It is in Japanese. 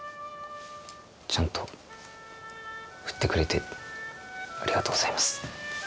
ちゃんとふってくれてありがとうございます。